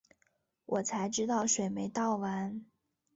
我才知道水没倒完